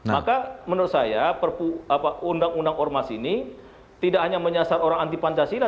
maka menurut saya undang undang ormas ini tidak hanya menyasar orang anti pancasila